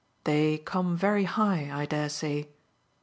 "They come very high, I dare say."